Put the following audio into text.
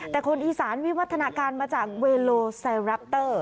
แต่คนอีสานวิวัฒนาการมาจากเวโลไซแรปเตอร์